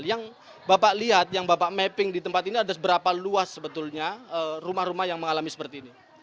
yang bapak lihat yang bapak mapping di tempat ini ada berapa luas sebetulnya rumah rumah yang mengalami seperti ini